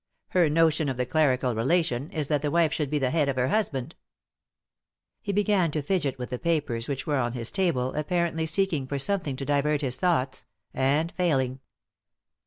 Her notion of the clerical relation is that the wife should be the head of her husband." He began to fidget with the papers which were on 392 3i 9 iii^d by Google THE INTERRUPTED KISS his table, apparently seeking for something to divert his thoughts — and failing.